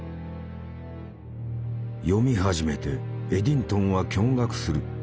読み始めてエディントンは驚がくする。